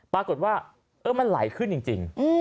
ปรากฏว่ามันไหลขึ้นจริง